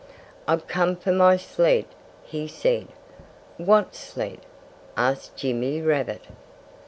"I've come for my sled," he said. "What sled?" asked Jimmy Rabbit.